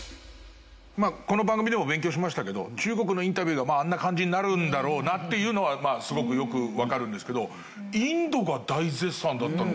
まあこの番組でも勉強しましたけど中国のインタビューがあんな感じになるんだろうなっていうのはすごくよくわかるんですけど。